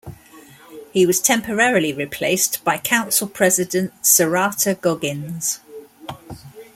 He was temporarily replaced by Council President Saratha Goggins.